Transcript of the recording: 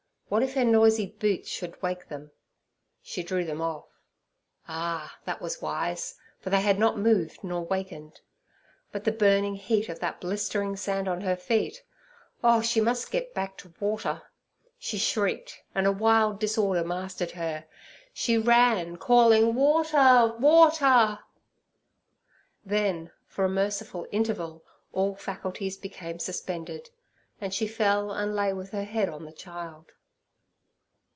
What if her noisy boots should wake them! She drew them off. Ah! that was wise, for they had not moved nor wakened; but the burning heat of that blistering sand on her feet—oh, she must get back to water! She shrieked, and a wild disorder mastered her. She ran, calling, 'Water! water!' Then for a merciful interval all faculties became suspended, and she fell and lay with her head on the child.